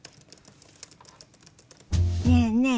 ねえねえ